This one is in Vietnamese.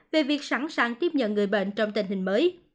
về việc sẵn sàng tiếp nhận người bệnh trong tình hình mới